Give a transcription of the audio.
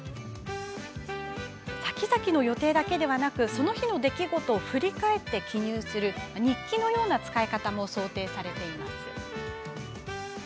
さきざきの予定だけではなくその日の出来事を振り返って記入する、日記のような使い方も想定されています。